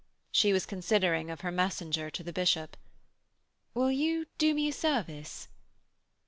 She was considering of her messenger to the bishop. 'Will you do me a service?'